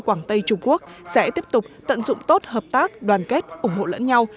quảng tây trung quốc sẽ tiếp tục tận dụng tốt hợp tác đoàn kết ủng hộ lẫn nhau